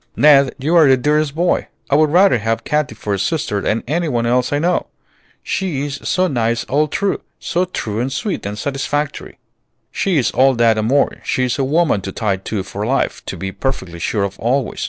"Ned, you are the dearest boy! I would rather have Katy for a sister than any one else I know. She's so nice all through, so true and sweet and satisfactory." "She is all that and more; she's a woman to tie to for life, to be perfectly sure of always.